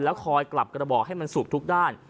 คอยกลับกระบอกให้มันสุกทุกด้าน